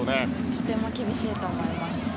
とても厳しいと思います。